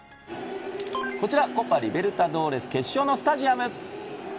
こちら、コパ・リベルタドーレス決勝のスタジアム。